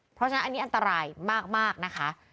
เพราะฉะนั้นอันนี้อันตรายมากนะคะ